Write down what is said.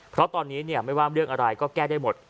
เพราะตอนนี้ไม่ว่าเรื่องอะไรก็แก้ได้หมด